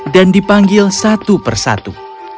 dan dipanggil satu persatu